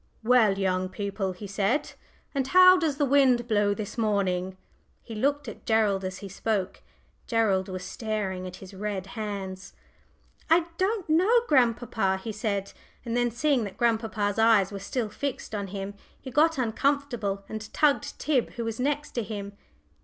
"Well, young people," he said, "and how does the wind blow this morning?" He looked at Gerald as he spoke. Gerald was staring at his red hands. "I don't know, grandpapa," he said; and then seeing that grandpapa's eyes were still fixed on him, he got uncomfortable, and tugged Tib, who was next him.